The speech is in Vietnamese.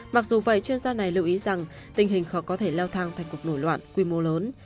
mặc dù vậy chuyên gia này lưu ý rằng tình hình khó có thể leo thang thành cuộc nổi loạn quy mô lớn